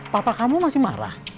papa kamu masih marah